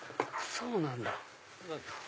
そうなんだ。